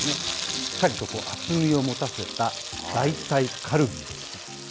しっかりと厚みをもたせた代替カルビです。